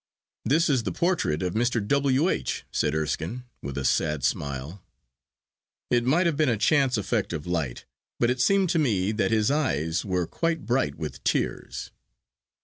'This is the portrait of Mr. W. H.,' said Erskine, with a sad smile. It might have been a chance effect of light, but it seemed to me that his eyes were quite bright with tears.